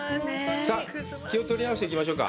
さあ、気を取り直していきましょうか。